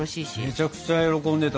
めちゃめちゃ喜んでた。